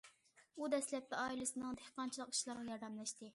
ئۇ دەسلەپتە ئائىلىسىنىڭ دېھقانچىلىق ئىشلىرىغا ياردەملەشتى.